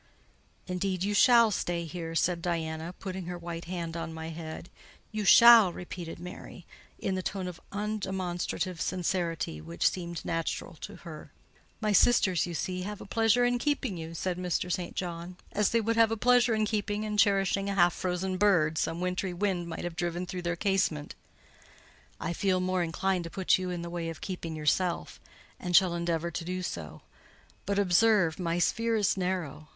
"Indeed you shall stay here," said Diana, putting her white hand on my head. "You shall," repeated Mary, in the tone of undemonstrative sincerity which seemed natural to her. "My sisters, you see, have a pleasure in keeping you," said Mr. St. John, "as they would have a pleasure in keeping and cherishing a half frozen bird, some wintry wind might have driven through their casement. I feel more inclination to put you in the way of keeping yourself, and shall endeavour to do so; but observe, my sphere is narrow.